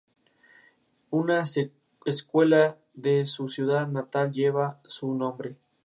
Una escuela de su ciudad natal lleva su nombre.